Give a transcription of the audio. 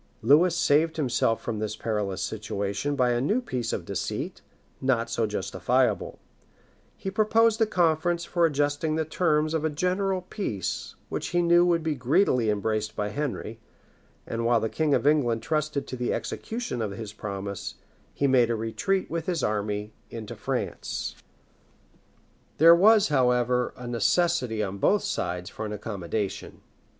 Lewis saved himself from this perilous situation by a new piece of deceit, not so justifiable. He proposed a conference for adjusting the terms of a general peace, which he knew would be greedily embraced by Henry; and while the king of England trusted to the execution of his promise, he made a retreat with his army into France. [* Brompton, p. 1096.] [ Diceto, p. 578.] [ Brompton, p. 1096 Gul. Neubr. p. 411. W. Heming. p, 503] There was, however, a necessity on both sides for an accommodation.